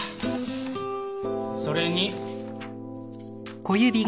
それに。